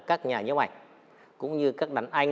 các nhà nhấp ảnh cũng như các đàn anh